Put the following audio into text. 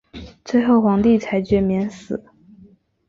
最后皇帝裁决免死。